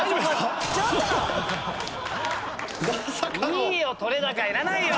いいよ撮れ高いらないよ！